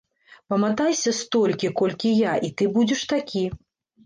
Паматайся столькі, колькі я, і ты будзеш такі.